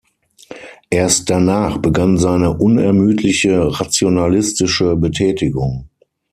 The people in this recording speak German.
Erst danach begann seine unermüdliche rationalistische Betätigung.